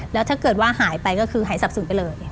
แล้วถ้าเกิดว่าหายไปก็คือหายสับสนไปเลย